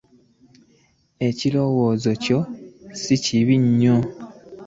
Ekirowoozo kyo si kibi nnyo.